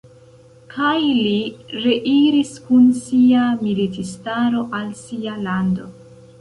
Kaj li reiris kun sia militistaro al sia lando.